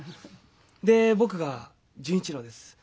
で僕が純一郎です。